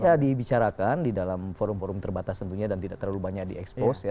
bisa dibicarakan di dalam forum forum terbatas tentunya dan tidak terlalu banyak di expose ya